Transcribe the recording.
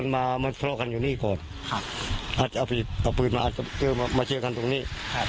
จากนี้ก่อนจะที่แบบหลายพูดมาคงเชื่อกันตรงนี้